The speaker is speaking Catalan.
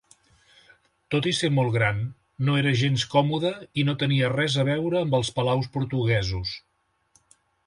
Tot i ser molt gran, no era gens còmode i no tenia res a veure amb els palaus portuguesos.